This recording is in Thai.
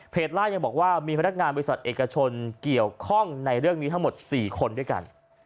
ล่ายังบอกว่ามีพนักงานบริษัทเอกชนเกี่ยวข้องในเรื่องนี้ทั้งหมด๔คนด้วยกัน